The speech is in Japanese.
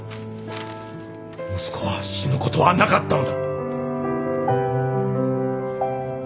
息子は死ぬことはなかったのだ！